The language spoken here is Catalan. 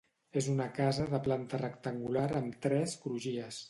És una casa de planta rectangular amb tres crugies.